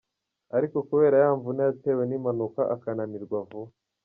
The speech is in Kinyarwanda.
Ariko kubera ya mvune yatewe n’impanuka akananirwa vuba.